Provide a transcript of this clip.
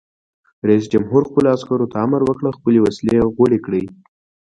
رئیس جمهور خپلو عسکرو ته امر وکړ؛ خپلې وسلې غوړې کړئ!